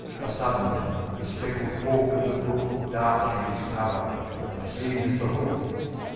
A sudden, the speckled hawk of the brook Darts from his cover and seizes the hook.